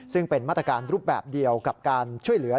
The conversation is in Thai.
ซึ่งเป็นมาตรการรูปแบบเดียวกับการช่วยเหลือ